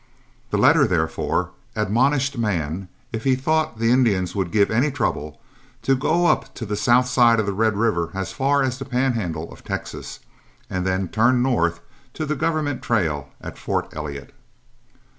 The letter, therefore, admonished Mann, if he thought the Indians would give any trouble, to go up the south side of Red River as far as the Pan handle of Texas, and then turn north to the government trail at Fort Elliot.